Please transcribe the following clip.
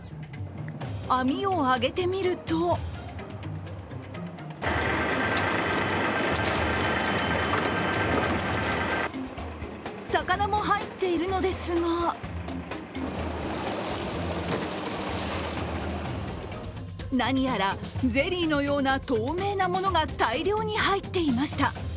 網を揚げてみると魚も入っているのですが何やらゼリーのような透明なものが大量に入っていました。